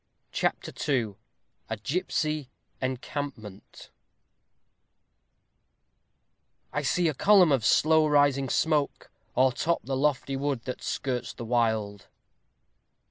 CHAPTER II A GIPSY ENCAMPMENT I see a column of slow rising smoke O'ertop the lofty wood, that skirts the wild.